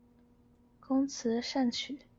工词善曲。